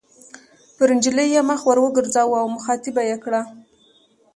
پر نجلۍ یې مخ ور وګرځاوه او مخاطبه یې کړه.